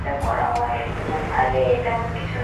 আরে তেমন কিছু না।